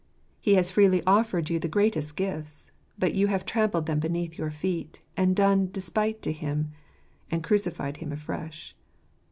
He has freely offered you the greatest gifts ; but you have trampled them beneath your feet, and done despite to Him, and crucified Him afresh.